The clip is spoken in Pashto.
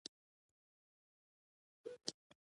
مه وایه سبا، وایه ان شاءالله.